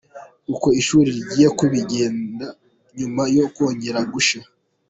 Uko ishuri rigiye kubigenda nyuma yo kongera gushya .